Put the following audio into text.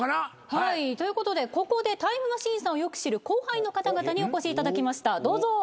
はいということでここでタイムマシーンさんをよく知る後輩の方々にお越しいただきましたどうぞ。